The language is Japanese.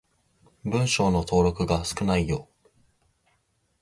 文章の登録が少ないよ。